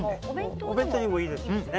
お弁当でもいいんですよね。